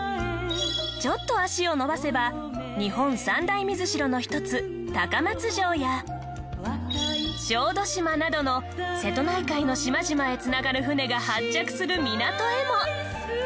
ちょっと足を延ばせば日本三大水城の一つ高松城や小豆島などの瀬戸内海の島々へ繋がる船が発着する港へも。